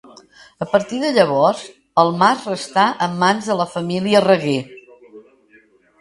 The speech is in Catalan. A partir de llavors, el mas restà en mans de la família Reguer.